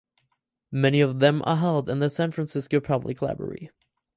Many of them are held in the San Francisco Public Library.